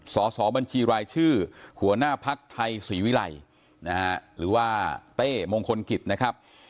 สอบบัญชีรายชื่อหัวหน้าภักดิ์ไทยศรีวิรัยนะฮะหรือว่าเต้มงคลกิจนะครับ